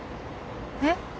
えっ？